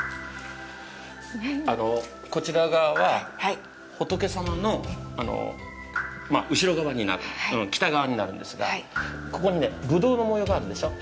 こちら側は、仏様の後ろ側になる、北側になるんですが、ここに葡萄の模様があるでしょう？